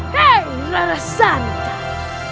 hei rara santa